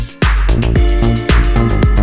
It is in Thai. รับทราบ